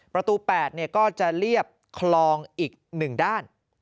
ประตู๘ก็จะเรียบคลองอีก๑ด้าน